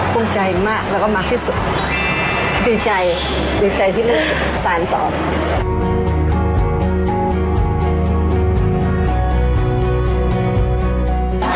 ภูมิใจมากแล้วก็มากที่สุดดีใจดีใจที่น่ารักที่สุดสารงานต่อ